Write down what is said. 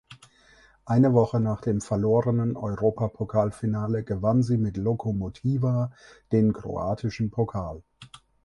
Eine Woche nach dem verlorenen Europapokalfinale gewann sie mit Lokomotiva den kroatischen Pokal.